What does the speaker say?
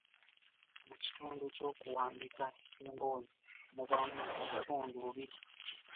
Mu kitundu ky’okuwandiika emboozi mubaamu obutundu bubiri.